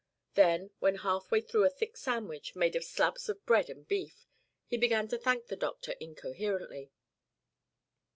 Then, when half way through a thick sandwich made of slabs of bread and beef, he began to thank the doctor incoherently.